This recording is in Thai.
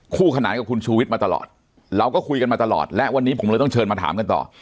คู่ขนานกับคุณชูวิทย์มาตลอดเราก็คุยกันมาตลอดและวันนี้ผมเลยต้องเชิญมาถามกันต่อ